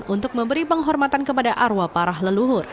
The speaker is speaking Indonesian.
untuk memberi penghormatan kepada arwa parah leluhur